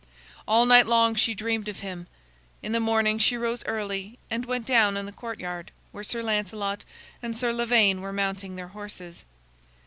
All night long she dreamed of him. In the morning she rose early and went down in the courtyard where Sir Lancelot and Sir Lavaine were mounting their horses.